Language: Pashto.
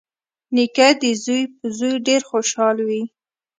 نیکه د زوی په زوی ډېر خوشحال وي.